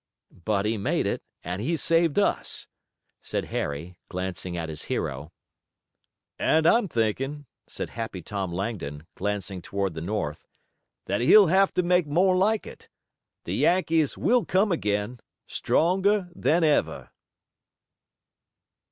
"But he made it and he saved us," said Harry, glancing at his hero. "And I'm thinking," said Happy Tom Langdon, glancing toward the North, "that he'll have to make more like it. The Yankees will come again, stronger than ever."